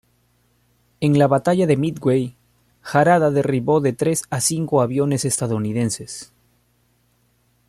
En la batalla de Midway, Harada derribó de tres a cinco aviones estadounidenses.